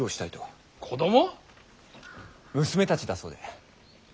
娘たちだそうで。